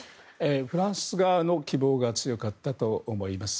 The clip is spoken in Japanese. フランス側の希望が強かったと思います。